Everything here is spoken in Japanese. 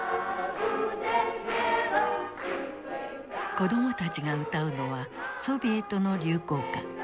子供たちが歌うのはソビエトの流行歌。